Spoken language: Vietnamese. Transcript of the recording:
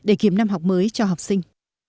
để kiếm năm học mới cho học sinh